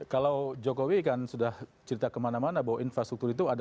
kalau jokowi kan sudah cerita kemana mana bahwa infrastruktur itu ada